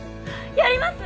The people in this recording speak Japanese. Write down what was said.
やります！